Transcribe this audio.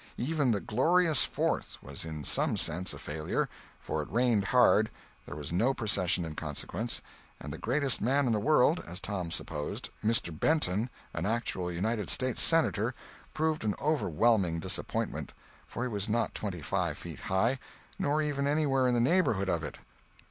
Even the Glorious Fourth was in some sense a failure, for it rained hard, there was no procession in consequence, and the greatest man in the world (as Tom supposed), Mr. Benton, an actual United States Senator, proved an overwhelming disappointment—for he was not twenty five feet high, nor even anywhere in the neighborhood of it.